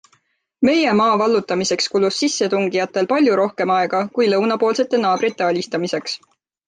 Meie maa vallutamiseks kulus sissetungijatel palju rohkem aega kui lõunapoolsete naabrite alistamiseks.